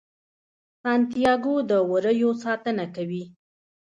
سانتیاګو د وریو ساتنه کوي.